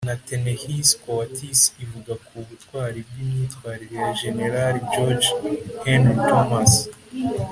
na ta-nehisi coates ivuga ku butwari bw’imyitwarire ya jenerali george henry thomas.